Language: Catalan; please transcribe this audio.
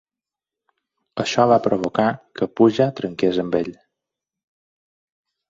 Això va provocar que Pooja trenqués amb ell.